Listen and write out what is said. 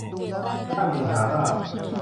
ถ้ามีปัญหามาก